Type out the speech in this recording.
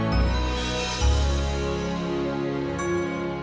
bicara sama abonenah jokowi